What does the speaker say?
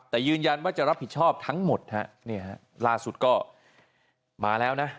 แต่ยืนยันว่าจะรับผิดชอบทั้งหมดฮะเนี่ยฮะล่าสุดก็มาแล้วนะ